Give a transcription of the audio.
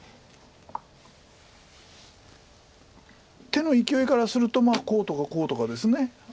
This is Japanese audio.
手のいきおいからするとこうとかこうとかです。